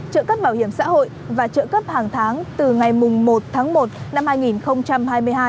trợ cấp bảo hiểm xã hội và trợ cấp hàng tháng từ ngày một tháng một năm hai nghìn hai mươi hai